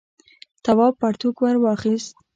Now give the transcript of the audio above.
تواب پرتوگ ور واخیست.